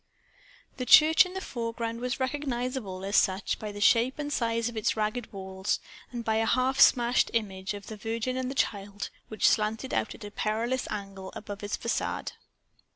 The church in the foreground was recognizable as such by the shape and size of its ragged walls, and by a half smashed image of the Virgin and Child which slanted out at a perilous angle above its façade.